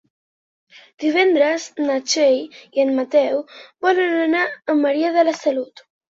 Divendres na Txell i en Mateu volen anar a Maria de la Salut.